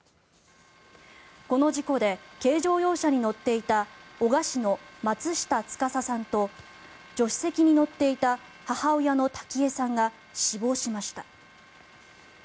この事故で軽乗用車に乗っていた男鹿市の松下司さんと助手席に乗っていた母親のタキヱさんが死亡しました。